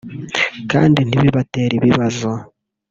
kandi ntibibatere ibibazo